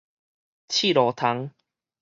刺羅蟲